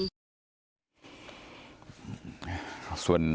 ส่วนข้อติดใจสงสัยของท่าน